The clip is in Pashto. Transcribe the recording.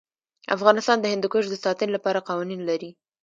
افغانستان د هندوکش د ساتنې لپاره قوانین لري.